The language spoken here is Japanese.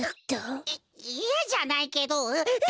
いいやじゃないけどうわ！